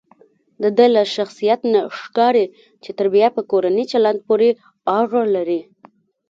دده له شخصیت نه ښکاري چې تربیه په کورني چلند پورې اړه لري.